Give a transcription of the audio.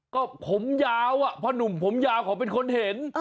ก็ผมยาวเพราะหนุ่มผมยาวเขาเป็นคนเห็น